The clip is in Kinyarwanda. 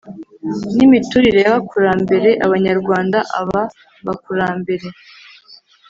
n imiturire y abakurambere Abanyarwanda Aba bakurambere